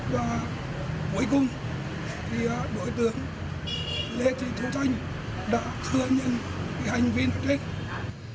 và cuối cùng thì đối tượng lê thị thu thanh đã thừa nhận hành vi nội trích